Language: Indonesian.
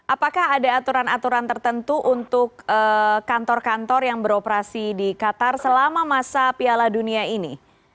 apakah ada aturan aturan tertentu untuk kantor kantor yang beroperasi di qatar selama masa piala dunia ini